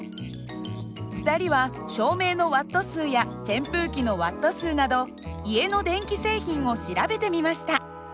２人は照明のＷ数や扇風機のＷ数など家の電気製品を調べてみました。